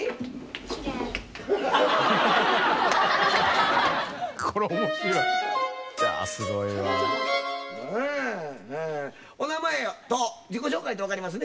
「嫌い」「お名前と自己紹介って分かりますね？」